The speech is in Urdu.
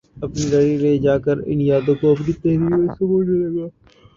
اپنی ڈائری لے جا کر ان یادوں کو اپنی تحریر میں سمونے لگا